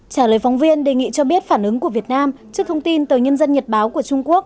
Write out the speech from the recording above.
trả lời phóng viên đề nghị cho biết phản ứng của việt nam trước thông tin từ nhân dân nhật báo của trung quốc